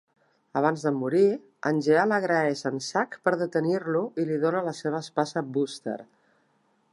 Abans de morir, Angeal agraeix en Zack per detenir-lo i li dóna la seva espasa Buster.